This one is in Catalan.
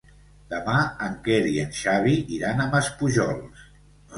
Demà en Quer i en Xavi iran a Maspujols.